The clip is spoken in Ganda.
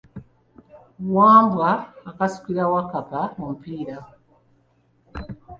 Wambwa akasukira Wakkapa omupiira.